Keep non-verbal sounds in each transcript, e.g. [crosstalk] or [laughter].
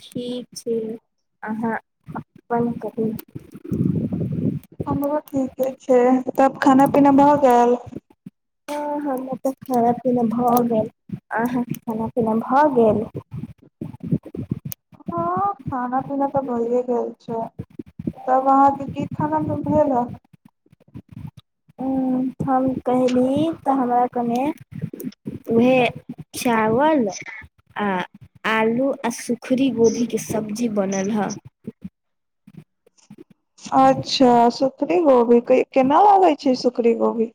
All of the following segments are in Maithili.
ठीक छी। आहाँ बहिन के की- हमरो ठीके छैय तब खाना पीना भऽ गएल? हँ हमरा तऽ खाना पीना भऽ गेल आहाँ के खाना पीना भऽ गेल। हँ खाना पीना तऽ भइये गेल छैय। तब आहाँ के की खाना सब भेल हेँ? हूँ हम कहेली तऽ हमरा कने उएहे। चावल आ आलू आ सूखरी गोभी के सब्जी बनल हँ। अच्छा सूखरी गोभी के केना होय छै सूखरी गोभी।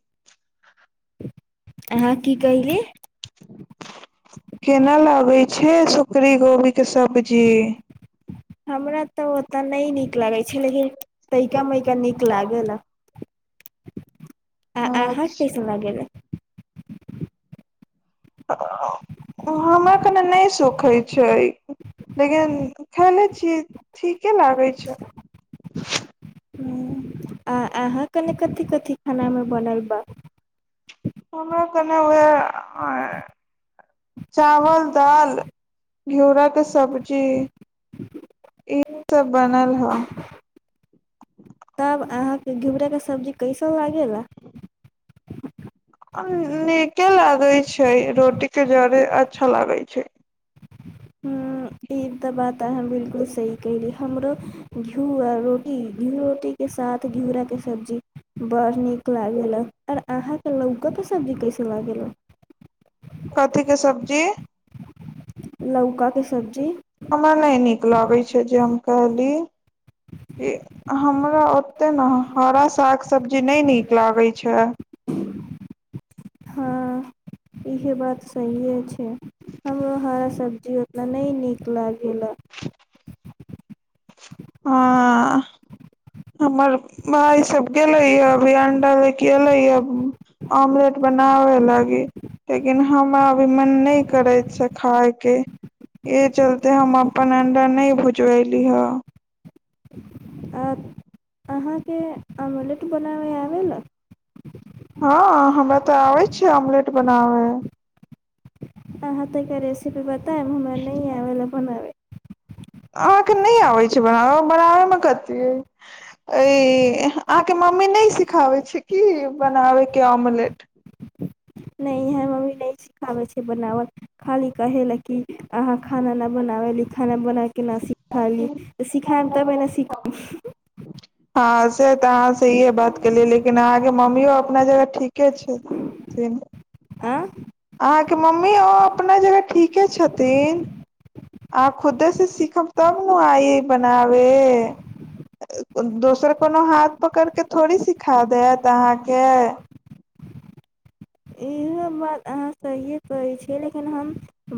आहाँ की कैहली? केना लागै छै सुखरी गोभी के सब्जी? हमरा तऽ ओतऽ नै नीक लागै छै लेकिन तैइका मइका नीक लागेला। आ आहाँ के अच्छा कैसन लागेला? [unintelligible] हमरा कनि नै सुखै छै लेकिन खेने छीयै। ठीके लागेै छै। हूँ आ आहाँ कनि कथि- कथि खाना मे बनल बा? ओ कने ओहे आय। चावल दाल घिउरा के सब्जी- ई सब बनल ह तब आहाँके घिउरा के सब्जी- कैसन लागेेला? आ नीके लागेै छै रोटी के जड़े अच्छा लागेै छै। हूँ ई तऽ बात आहाँ बिल्कुल सही कैहली हमरो- घिउ आ रोटी घिउ रोटी के साथ घिउरा के सब्जी। बड़ नीक लागेला आर आहाँके लौका के सब्जी कैसन लागेला? कथि के सब्जी? लौका के सब्जी- हमरा नै निक लगै छै जे हम कहली कि हमरा ओ- ते नऽ हरा साग सब्जी नै नीक लागेै छै। हँ इहे बात सहिेये छै हमरो हरा सब्जी उतना- नै नीक लागेला आँ हमर भाय सब गेलेै ये अभी अंडा ले के एले या। ऑम्लेट बनाबे लागी। लेकिन हमरा अभी मन नै करेै छै खाय के- एय चलते हम अपन अंडा नै भुजवैली ह। आहाँके अमलेट बनाबे आबे ला? हँ हमरा तऽ आबेै छै आमलेट बनावे। यहाॅं तइ के रेसिपी बतेब हमरा नइ आबे ले बनावे। अहाँके नई आबै छै बनाब, बनाबे मे कथी अ-इ- अहाँके मम्मी नयि सिखाबै छै की बनाबेके आमलेट? नहि यहाँ मम्मी नहि [inaudible] सिखाबै छै बनावल, खाली कहे लैं की अहाँ खाना ना बनावैली खाना बनाइके केना सी खाली सिखेब तबे ने सीखब हँ से तऽ अहाँ सहीये बात केलियै लेकिन अहाँके मम्मियो अपना जगह ठीके छै। लेमबि ए-ए- आ अहाँके मम्मी आ-पना जगह ठीके छथिन। आ खुदे से सीखब तब न आइ बनावे। अ-अ-ओ- को दोसर कोनो हाथ पकड़ के थोड़ी सिखा देत अहाँके। [unintelligible] बाद अहाँ सहिये कहै छिये, लेकिन हम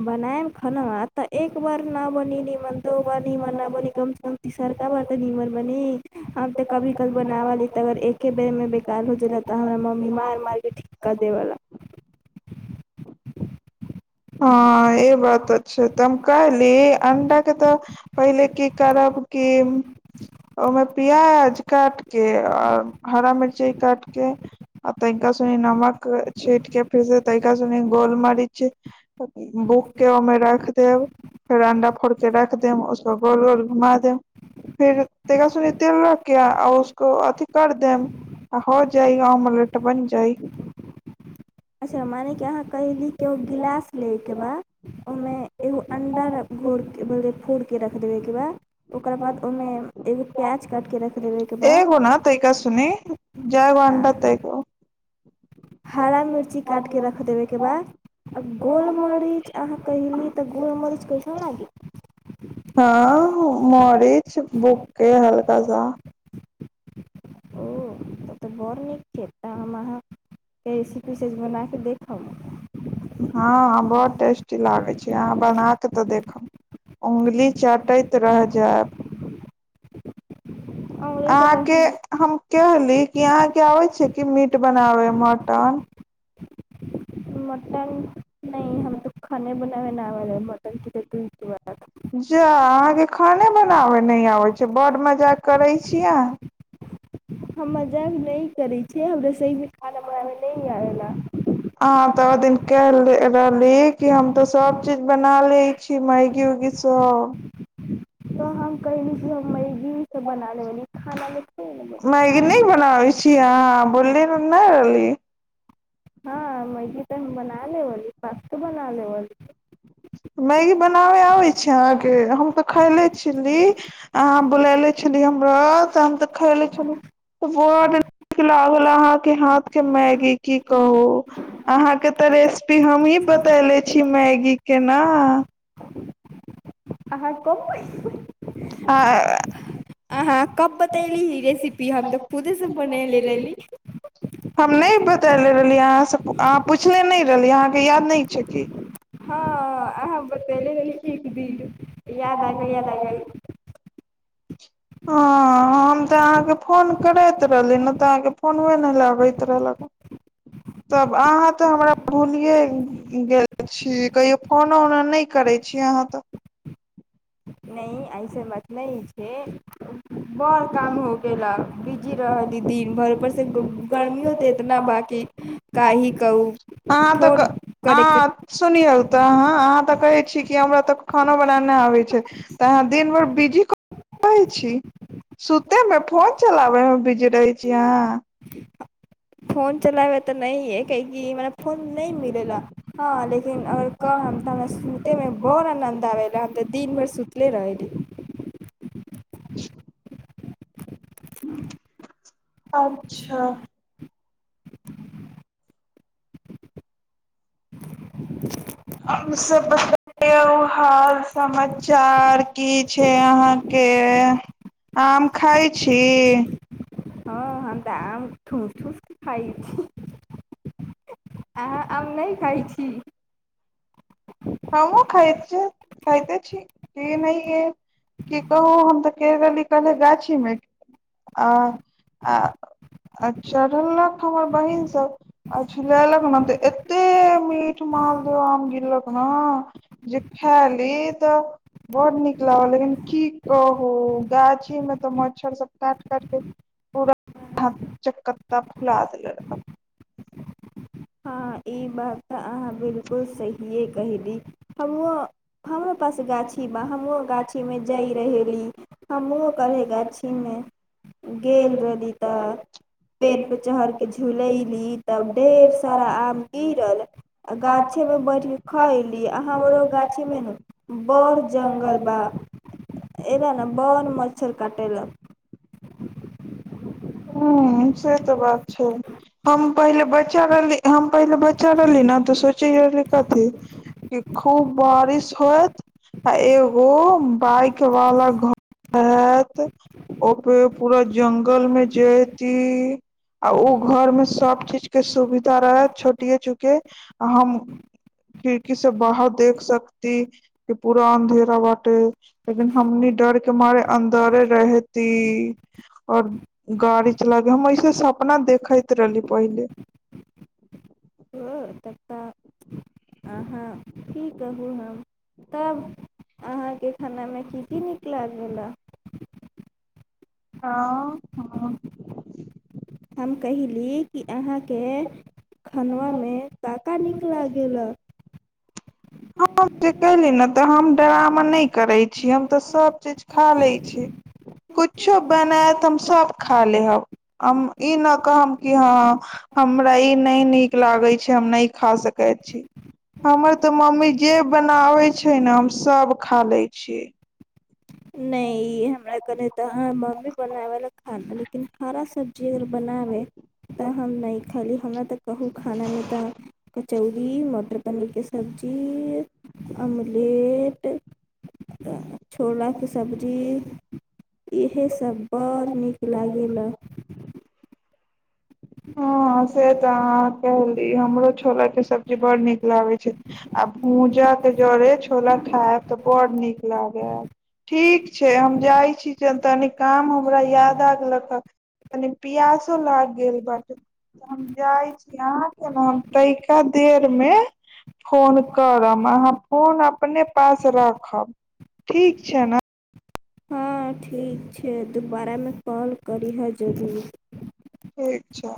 बनेव खनवा त एक बार ना बनेली मन, दो बार नी मना मन कमछे कम तसरका बार तऽ नीमन बनी, हम तऽ कभी- कभी बनाव ली त के एके बेर मे बेकार हो जा लालि तऽ हमरा मम्मी मार माल के ठीक -क- देबवला। हँ ई बात त छै त हम कहैली अंडा के त पहिले की करब की- ओये मे प्याज काट के आ हरा मिर्चा काटके आब त हिनका सब मे नमक छीटके फेरसे तैरिका सुनि गोल मरिच - - बूक के हमरा रेख देब। फेर अंडा फोड़ के राख दियोन उसप गोल -गोल घुमा देयोन। फिर तेरह सुनी तेलो के आ उसको अथि कर देम- - त ह जायाइ अमलेट बनि जाइ। अच्छा मने कि अहाँ कहयली किओ गिलास लैके बाद ओहिमे एगो अंडा रा घोर बै फोड़के रखि देबै एकरा- - ओकरा बाद ओहिमे एगो प्याज काटि कऽ रख देबै एक बा- - एगो न तैका सुने जय आ वन्डतै - - हरा मिर्ची काटिक रख देबैके बाद- - आ गोल मरीच अहाँ कहयली त गोल मरीच कहियो ने येइ। हँ, मरीज बुके हल्का सा- - ओ तब तऽ बड़ नीक छै तऽ हम अहाँ - के रेसिपी से बनाके देखब। हँ, बहुत टेस्टी लागैत छै, अहाँ बना कऽ तऽ देखब। उंगली चाटैत रहहि जाब। अमरी तऽ अहाँके नहीं हम कहली कि अहाँके आबे छै कि मीट बनाबे मटन- - [inaudible] हम तो [inaudible] खाने बनाबै नहि आबै हे मटन। [inaudible] जा अहाँके खाने बनाबे नहि आबै छै, बड़ मजाक करे छियै अह- - हम जब नहि करैत छियै, हमरे सही मे खाना बनाबे नहि आवै ला। अहाँ तऽ ओ दिन केेले रहली कि हम त सब चीज बना ली। भी मायगी उगी सब- - किछो बना लेबली खाना में - - मैगी नहि बनाबै छीय अहाँ बोलली नहि रहली। हँ, मैगी तऽ हम बना लेबी पासतो बना लेबी। मैगी बनाबे आबै छै अहाँ के, हम तऽ खैले छली। अहाँ बुलैले छलि हमरा तऽ हम तऽ खएलै छली। बड नीक लागल अहाँ के हाथ के मैगी की कहु। अहाँ के तऽ रेसपी हमही बतैले छी मैगी के ना। अहाँ कब [unintelligible] आ अहाँ कब बतैली रेसिपी हम ते खुदे से बनैलै रहली। हम नै बतैले रहलियै अहाँ से पु अहाँ पुछनै ने रहलियै अहाँ के याद नै छै की। हां अहाँ बतैले रहली एक दिन। याद आ गेल, याद आ गेल। हां हम तऽ अहाँके फोन करैत रहली ने तऽ अहाँ के फोनबे नै लगैत रहलक। तब अहाँ तऽ हमरा भुलियै गेल छी कहियो फोनो-उनो नै करै छी अहाँ तऽ। नै ऐसन बात नै छै, बड़ काम हो गेला। बीजी रहली दिन भर ऊपर से ग गर्मीयो तो एतना बा कि काहि कहू हां तऽ क फोन करैके हां। सुनियौ तऽ अहाँ, अहाँ तऽ कहै छी कि हमरा तऽ खाना बना नै आबै छै। तऽ अहाँ दिन भर बिजी कता रहै छी। सुते मे, फोन चलाबे मे बिजी रहै छी अहाँ। फोन चलाबे तऽ नहिये, कियाकि मने फोन नै मिलै ला। हां लेकिन अगर कह हम तऽ हमरा सुते मे बड़ आनन्द आबैला, हम तऽ दिन भैर सुतले रहेली। अच्छा। और सब बतैयो हाल-समाचार की छै अहाँ के आम खाय छी। हां हम तऽ आम ठुस-ठुस खाय छी। अहाँ आम नै खाय छी। हमु खाय छी, खायते छी ई नै या की कहु हम तऽ के रहली कहले गाछी मे आ आ आ चढ़ैलक हमर बहिन सब। आ झुलेलक ने ते एते मीठ मालदो आम गिरलक। हां जे खाय ली तऽ बहुत नीक लागल लेकिन की कहु गाछी मे तऽ मच्छर सब काट-काट के पूरा हाथ चकता फुला देला रहे। अच्छा। हां बिलकुल सहिये कहली, हमुओ हमरो पास गाछी बा हमु गा छी मे जाय रहेली, हमुओ कभी गाछी मे गेल रहली तऽ पेड़ पे चहड़ कऽ झुलैली तब ढेर सारा आम गिरल। आ गाछी मे बैठ के खयली आ हमरो गाछी मे ना बड़ जगल बा, अयला ने बड़ मच्छर काटेला। हां। हां से तऽ बात छै। हम पहिले बच्चा रहली, हम पहिले बच्चा रहली ना तो सोचे रहली कथी। की खूब बारिश होएत आ एगो बाइक वाला घर रहत ओपे पूरा ज्ंगल मे जेयतीऽ आ ओ घर में सब चीज के सुविधा रहैय छोटिये चुके आ हम [unintelligible] [unintelligible] ती, और गाड़ी चलाब हम ऐस सपना देखैत रहली पहिले। ह तब तऽ कहू हम तब के खाना में की की निक लागेला? हँ, हँ- हम कहैली कि, अहाँके खनवा में काऽका नीक लागैलऽ? हम जे कैली ने तऽ हम ड्रामा नय करैय छी हम तऽ सब चीज खा लैऽ छी। कुछो बनैऽत हम सभ खा लेहब, हम ई न कहब कि हँ हमरा ई नय नीक लागै छै हम नय खा सकै छी। हमर तऽ मम्मी जे बनावे छै ने हम सब खा लै छियै। नै [unintelligible] हमरा कनि तऽ ह मम्मी बनाबै लए खाना लेकिन हरा सब्जी अगर बनाबै, तऽ हम नय खली, हमरा तऽ कहू खानामे तऽ कचौड़ी, मटर पनीर के सब्जी, अमलेट छोलाके सब्जी, इहे सभ बड़ऽ नीक लागैलऽ। हँ से तऽ अहां के लीह हमरो छोला के सब्जी बड़ नीक लागै छै। आ भूजा के जरे, छोला खैब तऽ बड नीक लागैऽ। ठीक छै, हम जाइ छी च तनि काम हमरा याद आगल त कनि प्यासो लाग गेल बा हम जाइ छी, अहाँ के ने हम तैका देर में फोन करब। अहाँ फोन अपने पास रखब, ठीक छै ने? हं ठीक छै, दुबारामे कॉल करिहऽ जरूर ठीक छै।